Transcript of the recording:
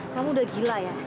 kamu udah gila ya